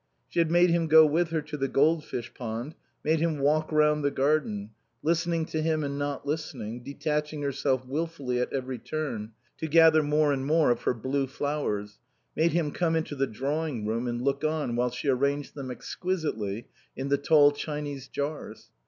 She had made him go with her to the goldfish pond, made him walk round the garden, listening to him and not listening, detaching herself wilfully at every turn, to gather more and more of her blue flowers; made him come into the drawing room and look on while she arranged them exquisitely in the tall Chinese jars.